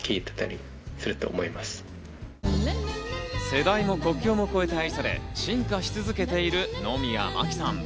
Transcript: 世代も国境も超えて愛され、進化し続けている野宮真貴さん。